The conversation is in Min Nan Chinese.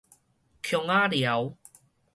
姜仔寮